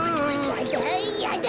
やだやだ！